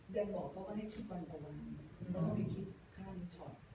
เดี๋ยวก็ให้ทุกวันตะวันไม่ต้องไปคิดข้ามิดช็อต